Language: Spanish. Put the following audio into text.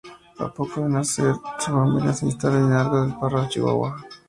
A poco de nacer su familia se instala en Hidalgo del Parral, Chihuahua.